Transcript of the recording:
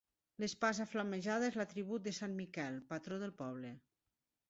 L'espasa flamejada és l'atribut de sant Miquel, patró del poble.